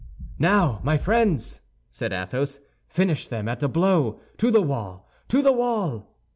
"Now, my friends," said Athos, "finish them at a blow. To the wall; to the wall!"